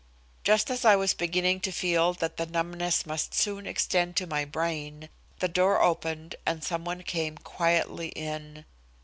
Just as I was beginning to feel that the numbness must soon extend to my brain, the door opened and some one came quietly in.